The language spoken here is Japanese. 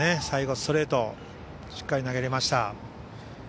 最後、ストレートしっかり投げれました。